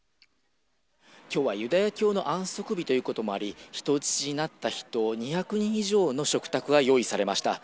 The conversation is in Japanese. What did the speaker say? きょうはユダヤ教の安息日ということもあり、人質になった人、２００人以上の食卓が用意されました。